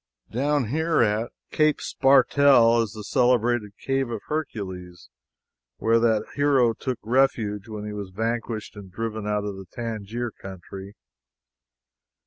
Down here at Cape Spartel is the celebrated cave of Hercules, where that hero took refuge when he was vanquished and driven out of the Tangier country.